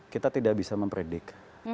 kita tidak bisa mempredik